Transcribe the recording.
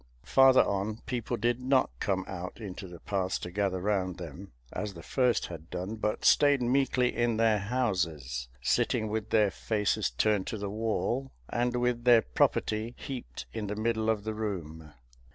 Farther on, people did not come out into the paths to gather round them, as the first had done, but stayed meekly in their houses, sitting with their faces turned to the wall, and with their property heaped in the middle of the room.